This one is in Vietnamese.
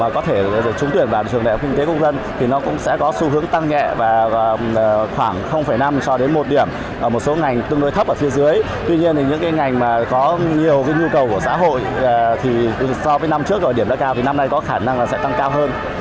có nhiều nhu cầu của xã hội so với năm trước điểm đã cao thì năm nay có khả năng sẽ tăng cao hơn